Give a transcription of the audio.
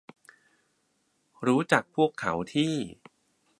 รู้จักพวกเขาที่